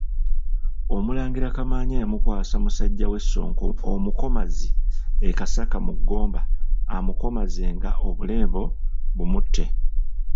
Omulangira Kamaanya yamukwasa musajja we Ssonko omukomazi e Kasaka mu Ggomba amukomazenga, obuleebo bumutte.